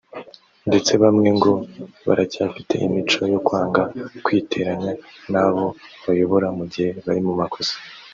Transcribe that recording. ndetse bamwe ngo baracyafite imico yo kwanga kwiteranya n’abo bayobora mu gihe bari mu makosa